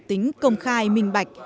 tính công khai minh bạch